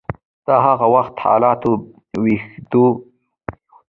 د هغه وخت حالاتو وښوده چې له انسان دوستۍ ناوړه ګټه اخیستل کیږي